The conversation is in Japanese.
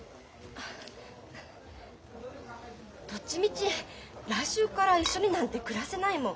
どっちみち来週から一緒になんて暮らせないもん。